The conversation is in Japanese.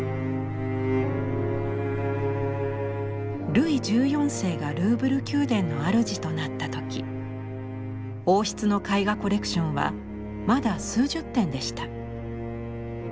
ルイ１４世がルーブル宮殿のあるじとなった時王室の絵画コレクションはまだ数十点でした。